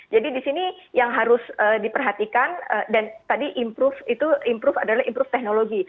jadi di sini yang harus diperhatikan dan tadi improve itu improve adalah improve teknologi